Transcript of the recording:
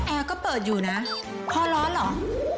แอร์ก็เปิดอยู่นะคอร้อนเหรอ